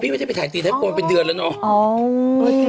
พี่ไม่ได้ไปถ่ายตีไทยกว่าไปเดือนแล้วเนอะ